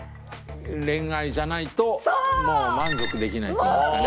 恋愛じゃないと満足できないっていいますかね。